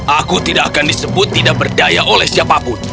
aku tidak akan disebut tidak berdaya oleh siapapun